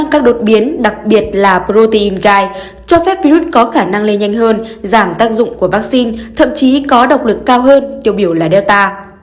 các đột biến đặc biệt là protein gai cho phép virus có khả năng lây nhanh hơn giảm tác dụng của vaccine thậm chí có độc lực cao hơn tiêu biểu là data